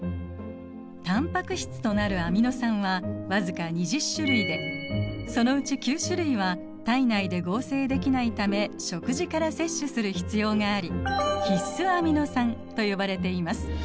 タンパク質となるアミノ酸は僅か２０種類でそのうち９種類は体内で合成できないため食事から摂取する必要があり必須アミノ酸と呼ばれています。